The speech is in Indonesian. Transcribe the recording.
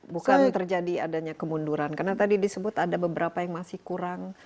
bukan terjadi adanya kemunduran karena tadi disebut ada beberapa yang masih kurang